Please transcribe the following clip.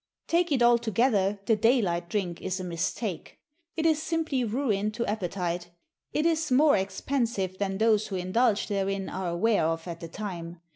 Take it altogether the daylight drink is a mistake. It is simply ruin to appetite; it is more expensive than those who indulge therein are aware of at the time.